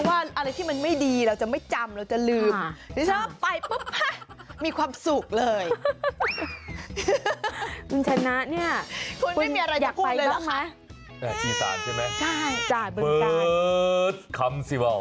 อะไรที่มันไม่ดีเราก็ลืมไปได้เลยเหมือนกันนะนะ